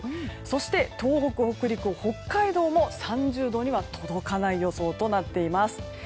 そして、東北、北陸、北海道も３０度には届かない予想となっています。